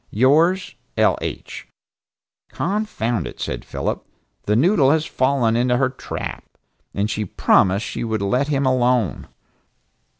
Yours, L. H." "Confound it," said Phillip, "the noodle has fallen into her trap. And she promised she would let him alone."